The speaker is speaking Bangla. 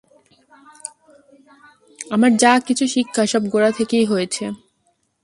আমার যা-কিছু শিক্ষা সব গোরা থেকেই হয়েছে।